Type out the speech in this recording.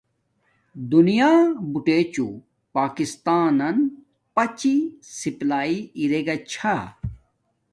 دینا بوٹے چوُ پاکستانن پاچی سپلاݵݵ ارے گا چھا